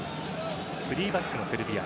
３バックのセルビア。